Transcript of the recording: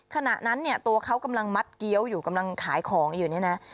ขณะนั้นเนี่ยตัวเขากำลังมัดเกี้ยวอยู่กำลังขายของอยู่เนี่ยนะ